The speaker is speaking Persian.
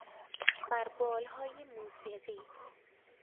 بر بالهای موسیقی